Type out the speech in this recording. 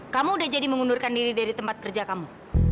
kamu udah jadi mengundurkan diri dari tempat kerja kamu